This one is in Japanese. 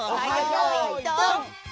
よいどん」！